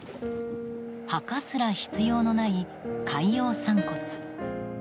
墓すら必要のない海洋散骨。